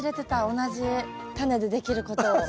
同じタネでできることを。